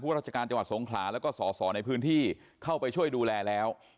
ราชการจังหวัดสงขลาแล้วก็สอสอในพื้นที่เข้าไปช่วยดูแลแล้ว